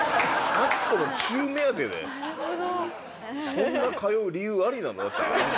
そんな通う理由ありなの？